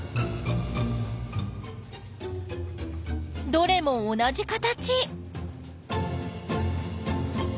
どれも同じ形！